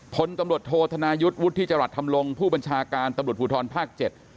พลตำรวจโทษธนายุทธ์วุฒิจรัสธรรมลงผู้บัญชาการตำรวจภูทรภาค๗